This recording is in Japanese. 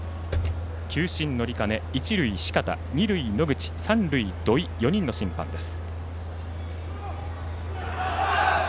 球審、乗金、一塁、四方二塁、野口、三塁、土井４人の審判です。